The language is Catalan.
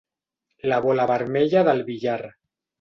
La bola vermella del billar.